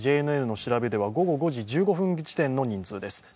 ＪＮＮの調べでは午後５時１５分時点の人数です。